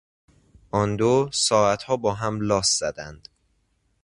آندو، ساعتها با هم لاس زدند.